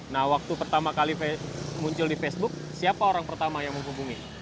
nah waktu pertama kali muncul di facebook siapa orang pertama yang menghubungi